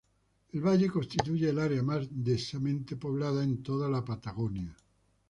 El valle constituye el área más densamente poblada de toda la Patagonia.